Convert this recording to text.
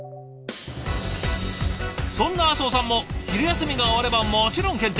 そんな麻生さんも昼休みが終わればもちろん検定。